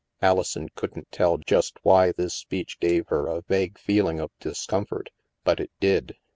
Alison couldn't tell just why this speech gave her a vague feeling of discomfort, but it did.